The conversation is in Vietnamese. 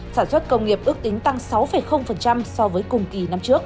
sản xuất công nghiệp ước tính tăng sáu so với cùng kỳ